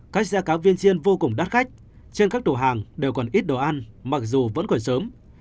các xe cá viên chiên vô cùng đắt khách trên các tủ hàng đều còn ít đồ ăn mặc dù vẫn còn sớm